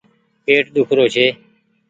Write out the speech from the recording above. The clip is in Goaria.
پيٽ ۮيک رو ڇي ۔